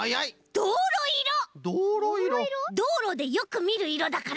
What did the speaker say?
どうろでよくみるいろだから。